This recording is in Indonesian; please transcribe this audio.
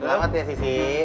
selamat ya sisi